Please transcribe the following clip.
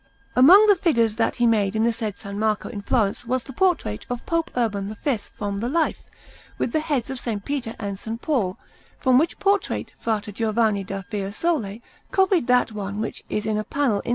Among the figures that he made in the said S. Marco in Florence was the portrait of Pope Urban V from the life, with the heads of S. Peter and S. Paul; from which portrait Fra Giovanni da Fiesole copied that one which is in a panel in S.